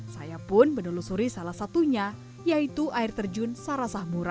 saya pun menelusuri salah satunya yaitu air terjun sarasah mura